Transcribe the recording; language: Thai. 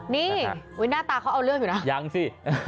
นี่หน้าตาเขาเอาเรื่องอยู่นะยังสิ